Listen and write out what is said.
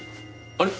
あれ？